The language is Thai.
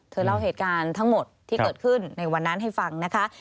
เล่าเหตุการณ์ทั้งหมดที่เกิดขึ้นในวันนั้นให้ฟังนะคะ